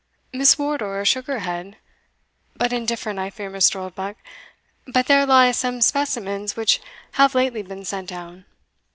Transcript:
Miss Wardour shook her head "But indifferent, I fear, Mr. Oldbuck; but there lie some specimens which have lately been sent down."